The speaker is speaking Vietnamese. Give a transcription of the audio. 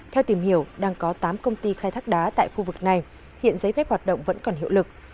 theo tìm hiểu đang có tám công ty khai thác đá tại khu vực này hiện giấy phép hoạt động vẫn còn hiệu lực